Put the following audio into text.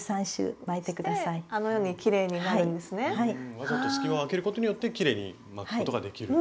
わざと隙間を空けることによってきれいに巻くことができると。